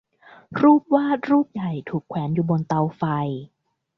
รูปวาดรูปใหญ่ถูกแขวนอยู่บนเตาไฟ